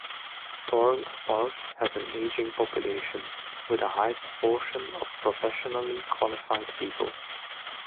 Torrens Park has an ageing population, with a high proportion of professionally qualified people.